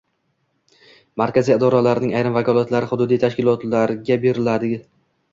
Markaziy idoralarning ayrim vakolatlari hududiy tashkilotlarga berilading